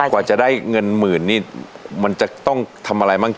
กว่าจะได้เงินหมื่นนี่มันจะต้องทำอะไรบ้าง